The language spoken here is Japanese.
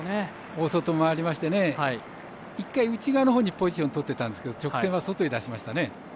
大外回りまして１回、内側のほうにポジションをとってたんですけど直線は外に出しましたね。